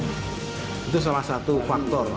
itu salah satu faktor